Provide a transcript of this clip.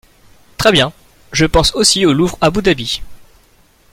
Très bien ! Je pense aussi au Louvre Abu Dhabi.